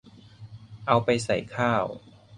เอาไปใส่ข้าว